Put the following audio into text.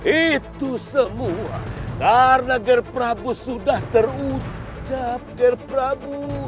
itu semua karena ger prabu sudah terucap ger prabu